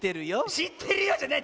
「しってるよ」じゃない！